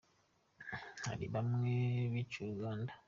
hari bamwe biciwe uganda.